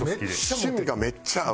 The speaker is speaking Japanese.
趣味がめっちゃ合う。